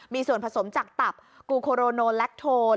มีส่วนผสมจากตับกูโคโรโนแลคโทน